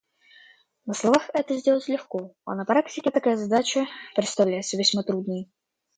На словах это сделать легко, а на практике такая задача представляется весьма трудной.